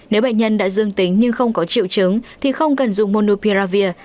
nếu bệnh nhân đã dương tính nhưng không có triệu chứng thì không cần dùng monopiravir